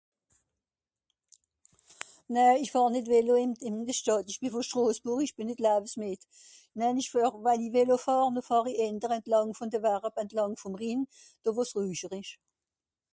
Non je ne fais de velo en ville je suis à Strasbourg et pas suicidaire Si je fais du vélo c'est le long de la digue, le long du Rhin là où c'est plus tranquille